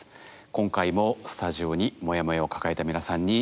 今回もスタジオにモヤモヤを抱えた皆さんに来ていただきました。